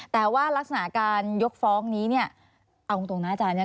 แต่ว่ารักษณะการยกฟ้องนี้เนี่ยเอาตรงนะอาจารย์เนี่ย